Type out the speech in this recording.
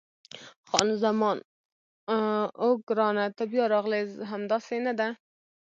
خان زمان: اوه، ګرانه ته بیا راغلې! همداسې نه ده؟